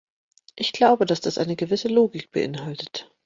Ich glaube, dass das eine gewisse Logik beinhaltet.